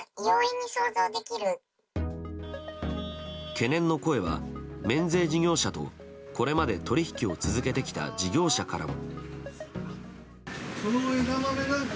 懸念の声は免税事業者とこれまで取引を続けてきた事業者からも。